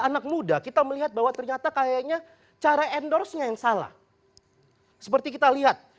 anak muda kita melihat bahwa ternyata kayaknya cara endorse nya yang salah seperti kita lihat